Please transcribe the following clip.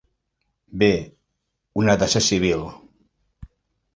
Bé, un ha de ser civil.